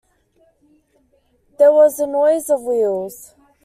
There was the noise of wheels.